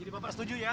jadi pak pak setuju ya